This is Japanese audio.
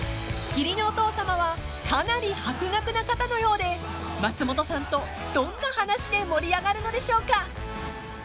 ［義理のお父さまはかなり博学な方のようで松本さんとどんな話で盛り上がるのでしょうか？］